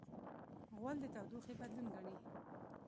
غول د تودوخې بدلون ګڼي.